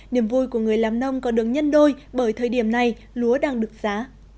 niềm vui của người làm nông còn được nhân đôi bởi thời điểm này lúa đang được giá